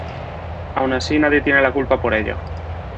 Aun así nadie tiene la culpa por ello.